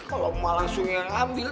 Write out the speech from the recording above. kalau mau langsung ambil